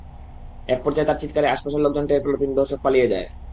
একপর্যায়ে তাঁর চিৎকারে আশপাশের লোকজন টের পেলে তিন ধর্ষক পালিয়ে যায়।